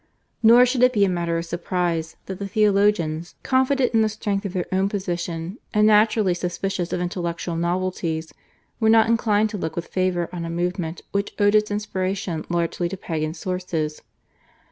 Nor should it be a matter of surprise that the Theologians, confident in the strength of their own position and naturally suspicious of intellectual novelties, were not inclined to look with favour on a movement which owed its inspiration largely to Pagan sources.